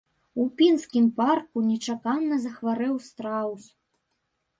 У пінскім парку нечакана захварэў страус.